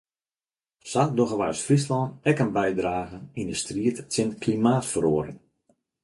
Sa dogge we as Fryslân ek in bydrage yn de striid tsjin klimaatferoaring.